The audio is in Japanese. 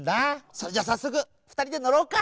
それじゃさっそくふたりでのろうか！